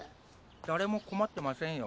誰も困ってませんよ。